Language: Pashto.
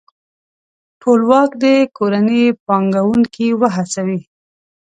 ټولواک دې کورني پانګوونکي وهڅوي.